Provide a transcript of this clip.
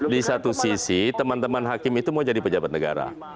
di satu sisi teman teman hakim itu mau jadi pejabat negara